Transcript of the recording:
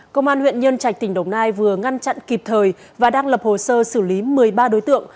công an huyện nhân trạch tỉnh đồng nai vừa ngăn chặn kịp thời và đang lập hồ sơ xử lý một mươi ba đối tượng